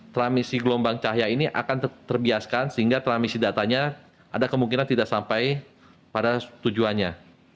transmisi gelombang cahaya ini akan terbiasakan sehingga transmisi datanya ada kemungkinan tidak sampai pada tujuannya